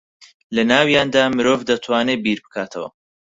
لە ناویاندا مرۆڤ دەتوانێ بیر بکاتەوە